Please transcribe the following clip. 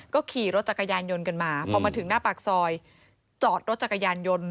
ก็ขี่รถจักรยานยนต์กันมาพอมาถึงหน้าปากซอยจอดรถจักรยานยนต์